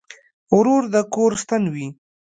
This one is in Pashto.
ورور د کور ستن وي.